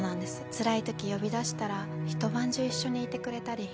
つらいとき呼び出したらひと晩中一緒にいてくれたり。